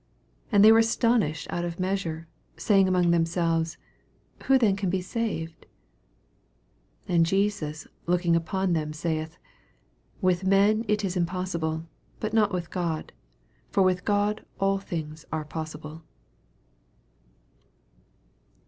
26 And they were astonished out of measure, saying among themselves, Who then can be saved T 27 And Jesus looking upon them saith, With men it is impossible, but not with God : for with God all things are possible.